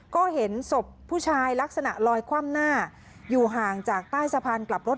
ก็เห็นศพผู้ชายลักษณะลอยคว่ำหน้าอยู่ห่างจากใต้สะพานกลับรถ